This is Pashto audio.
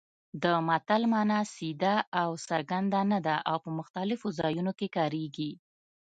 د متل مانا سیده او څرګنده نه ده او په مختلفو ځایونو کې کارېږي